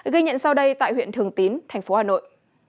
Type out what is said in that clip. ghi nhận sau đây tại huyện thường tín tp hà nội